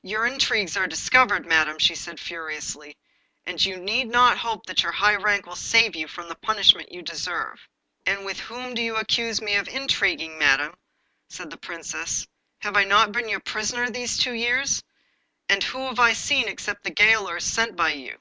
'Your intrigues are discovered, Madam,' she said furiously; 'and you need not hope that your high rank will save you from the punishment you deserve.' 'And with whom do you accuse me of intriguing, Madam?' said the Princess. 'Have I not been your prisoner these two years, and who have I seen except the gaolers sent by you?